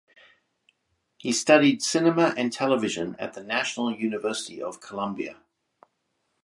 He studied cinema and television at the National University of Colombia.